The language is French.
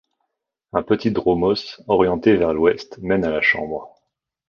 Un petit dromos orienté vers l'ouest mène à la chambre.